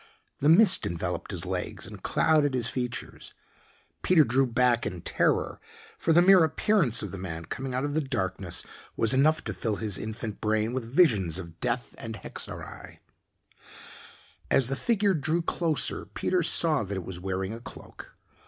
The mist enveloped his legs and clouded his features. Peter drew back in terror, for the mere appearance of the man coming out of the darkness was enough to fill his infant brain with visions of death and hexerei. As the figure drew closer Peter saw that it was wearing a cloak.